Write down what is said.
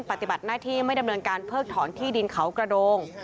ปฏิบัติหน้าที่ไม่ดำเนินการเพิกถอนที่ดินเขากระโดง